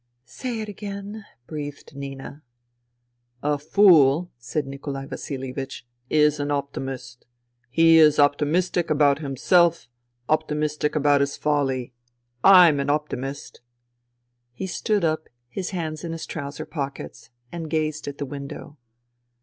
" Say it again, breathed Nina. " A fool, said Nikolai Vasilievich, " is an optimist. He is optimistic about himself, optimistic about his folly. /*m an optimist !" He stood up, his hands in his trouser pockets, and gazed at the window.